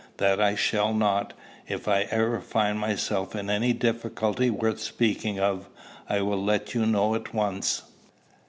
"That I shall not. If ever I find myself in any difficulty worth speaking of, I will let you know at once."